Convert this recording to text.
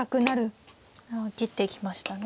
切っていきましたね。